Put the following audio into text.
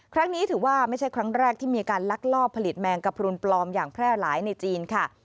ครั้งนี้ถือว่าไม่ใช่ครั้งแรกที่มีการลักลอบผลิตแมงกระพรุนปลอมอย่างแพร่หลายในจีนค่ะ